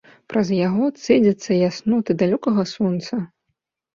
Праз яго цэдзяцца ясноты далёкага сонца.